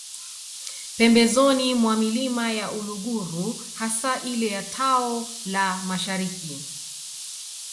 Pembezoni mwa Milima ya Uluguru hasa ile ya Tao la Mashariki